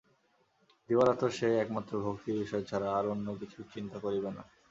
দিবারাত্র সে একমাত্র ভক্তির বিষয় ছাড়া আর অন্য কিছুই চিন্তা করিবে না।